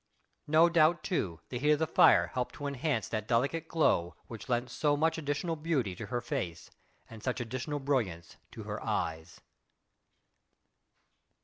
No doubt too, the heat of the fire helped to enhance that delicate glow which lent so much additional beauty to her face and such additional brilliance to her eyes.